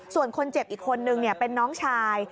ส่วนคนเจ็บอีกคนนึงเป็นน้องชาย